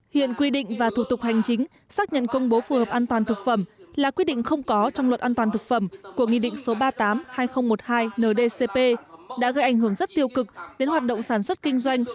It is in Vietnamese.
hiện quy định và thủ tục hành chính xác nhận công bố phù hợp an toàn thực phẩm là quyết định không có trong luật an toàn thực phẩm của nghị định số ba mươi tám hai nghìn một mươi hai ndcp đã gây ảnh hưởng rất tiêu cực đến hoạt động sản xuất kinh doanh